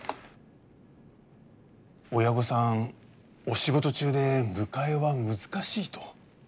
親御さんお仕事中で迎えは難しいと。